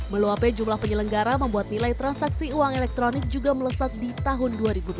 meluapnya jumlah penyelenggara membuat nilai transaksi uang elektronik juga melesat di tahun dua ribu delapan belas